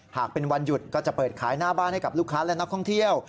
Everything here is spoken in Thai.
หากเป็นวันหยุดก็จะเปิดขายหน้าบ้านให้กับลูกค้าและนักท่องเที่ยว